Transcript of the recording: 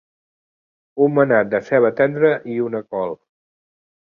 Un manat de ceba tendra i una col.